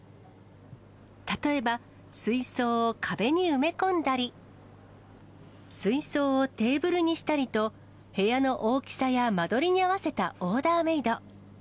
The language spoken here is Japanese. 例えば水槽を壁に埋め込んだり、水槽をテーブルにしたりと、部屋の大きさや間取りに合わせたオーダーメード。